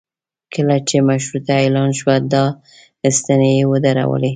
کله چې مشروطه اعلان شوه دا ستنې یې ودرولې.